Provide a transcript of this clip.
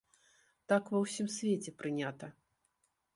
Так ва ўсім свеце прынята.